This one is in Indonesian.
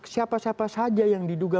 siapa siapa saja yang diduga